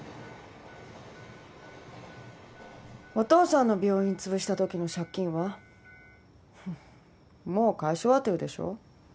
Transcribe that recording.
お父さんの病院潰した時の借金はもう返し終わってるでしょ？